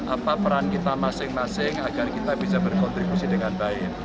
apa peran kita masing masing agar kita bisa berkontribusi dengan baik